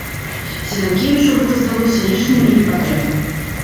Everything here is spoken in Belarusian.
Зелянкевічу гэта здалося лішнім і непатрэбным.